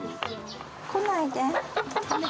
来ないで。